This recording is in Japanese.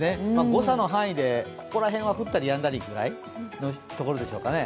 誤差の範囲で、ここら辺は降ったりやんだりぐらいのところでしょうかね。